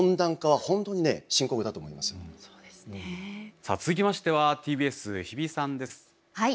さあ続きましてはＴＢＳ日比さんです。